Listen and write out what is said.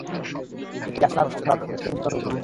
এটি আপনার পাপ, খারাপ কাজকে মোচন করবে।